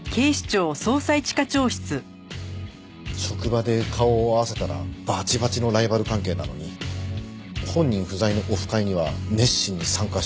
職場で顔を合わせたらバチバチのライバル関係なのに本人不在のオフ会には熱心に参加していたなんて。